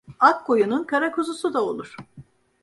Ak koyunun kara kuzusu da olur.